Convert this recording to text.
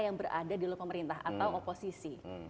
yang berada di luar pemerintah atau oposisi